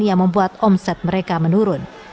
yang membuat omset mereka menurun